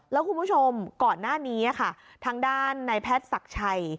แล้วคุณผู้ชมก่อนหน้านี้ค่ะทางด้านนายแพทย์ศักดิ์ชัย